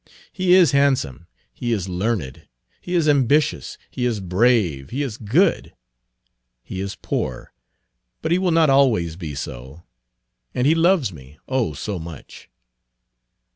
He is handsome, he is learned, he is ambitious, he is brave, he is good; he is poor, but he will not always be so; and he loves me, oh, so much!"